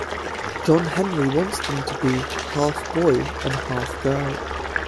John Henry wants them to be "half boy and half girl".